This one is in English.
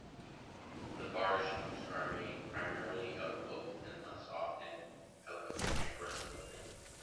The bars used are made primarily out of oak, and less often out of coniferous wood.